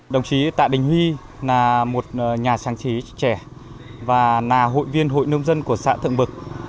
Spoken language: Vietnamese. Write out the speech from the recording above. đồng chí tạ đình huy là một nhà sáng chế trẻ và là hội viên hội nông dân của xã thượng bực